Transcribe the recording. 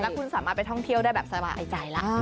คุณสามารถไปท่องเที่ยวได้แบบสบายใจแล้ว